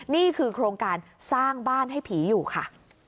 นี่คือโครงการสร้างบ้านให้ผีอยู่ค่ะ